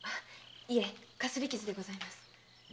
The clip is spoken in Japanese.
かすり傷でございます。